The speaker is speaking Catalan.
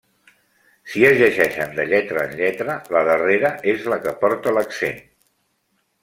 Si es llegeixen de lletra en lletra, la darrera és la que porta l'accent.